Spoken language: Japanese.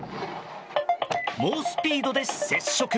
猛スピードで接触。